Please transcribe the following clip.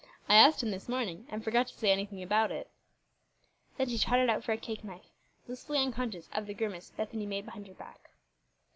"I asked him this morning, and forgot to say anything about it." Then she trotted out for a cake knife, blissfully unconscious of the grimace Bethany made behind her back.